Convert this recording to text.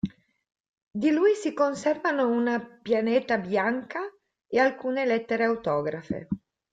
Di lui si conservano una pianeta bianca e alcune lettere autografe.